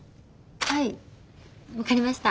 はい分かりました。